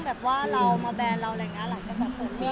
แบบว่าเรามาเบนเราอะไรอย่างนี้